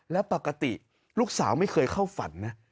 แล้วปกติลูกสาวไม่เคยเข้าฝันนะ